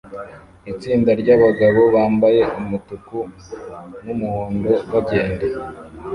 itsinda ryabagabo bambaye umutuku numuhondo bagenda